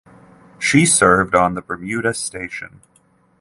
She the served on the Bermuda station.